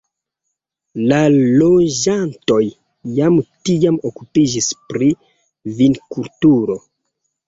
La loĝantoj jam tiam okupiĝis pri vinkulturo.